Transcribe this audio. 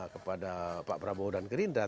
kepada pak prabowo dan gerindra